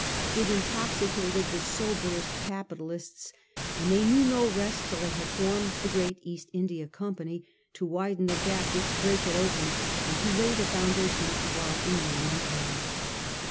It intoxicated the soberest capitalists ; and they knew no rest till they had formed the great East India Company, t o widen the gap which Drake had opened and to lay the foundation of our Indian Empire.